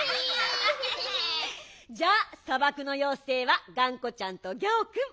じゃあさばくのようせいはがんこちゃんとギャオくん。